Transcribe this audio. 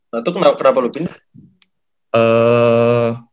nah itu kenapa lu pindah